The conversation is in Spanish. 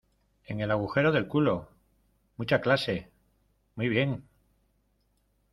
en el agujero del culo. mucha clase, muy bien .